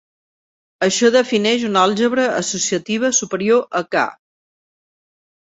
Això defineix una àlgebra associativa superior a "K".